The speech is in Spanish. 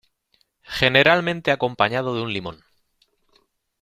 Generalmente acompañado de un limón.